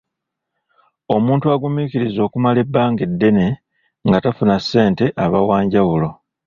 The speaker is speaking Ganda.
Omuntu agumiikiriza okumala ebbanga eddene nga tafuna ssente aba wanjawulo.